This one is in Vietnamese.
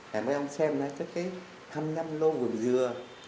hãy mấy ông xem cái hầm nhầm lô vườn rửa